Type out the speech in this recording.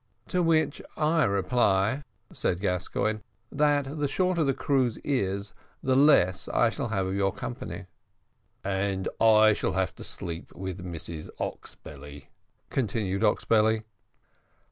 "To which I reply," said Gascoigne, "that the shorter the cruise is, the less I shall have of your company." "And I shall have to sleep with Mrs Oxbelly," continued Oxbelly.